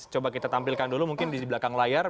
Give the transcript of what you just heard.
coba kita tampilkan dulu mungkin di belakang layar